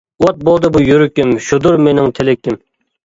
ئوت بولدى بۇ يۈرىكىم، شۇدۇر مېنىڭ تىلىكىم.